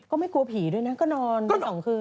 ก็ไม่กลัวผีด้วยนะก็นอนคุณอ๋องคือ